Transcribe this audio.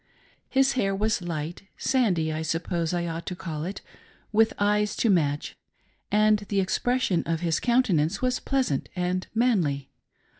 His hair was light, — sandy,' t suppose I ought to call it, — with eyes to match ; and the expression of his counten ance was pleasant and manly.